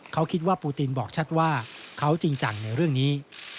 เขาคิดว่าปูตินบอกชัดว่าเขาจริงจังในเรื่องนี้